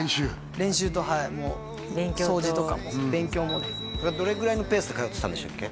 練習とはい掃除とか勉強もどれぐらいのペースで通ってたんでしたっけ？